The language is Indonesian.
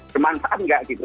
semangat nggak gitu